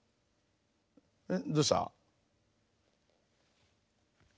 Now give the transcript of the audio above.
えっどうした？